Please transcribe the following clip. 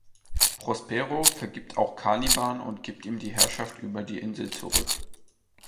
Prospero vergibt auch Caliban und gibt ihm die Herrschaft über die Insel zurück.